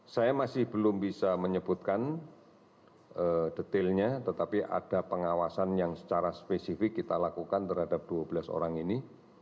saya masih belum bisa menyebutkan detailnya tetapi ada pengawasan yang secara spesifik kita lakukan terhadap dua belas orang ini